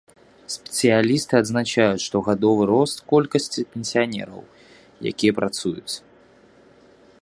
Спецыялісты адзначаюць штогадовы рост колькасці пенсіянераў, якія працуюць.